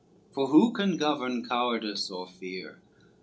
XCV For who can govern cowardice or fear?